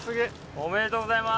おめでとうございます。